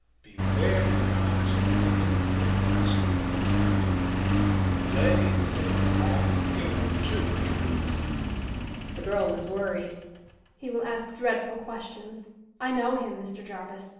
Beware, your Highness, of men who cannot sleep o'night they think altogether too shrewdly!"